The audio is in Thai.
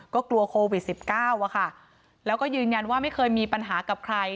ก็กลัวโควิดสิบเก้าอะค่ะแล้วก็ยืนยันว่าไม่เคยมีปัญหากับใคร